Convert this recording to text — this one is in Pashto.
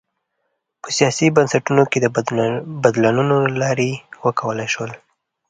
په سیاسي بنسټونو کې د بدلونونو له لارې وکولای شول.